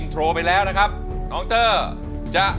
อันดับนี้เป็นแบบนี้